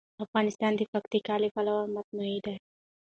افغانستان د پکتیکا له پلوه متنوع دی.